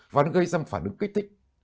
và nó gây ra một phản ứng kích thích